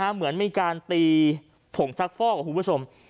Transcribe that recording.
เหมือนมีการตีผงซักฟอกกับฮูปสม